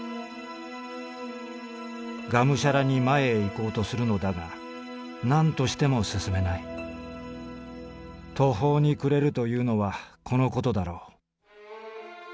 「がむしゃらに前へ行こうとするのだが何としても進めない途方に暮れるというのはこのことだろう。